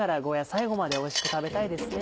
最後までおいしく食べたいですね。